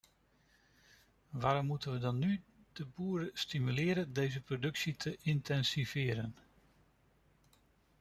Waarom moeten we dan nu de boeren stimuleren deze productie te intensiveren?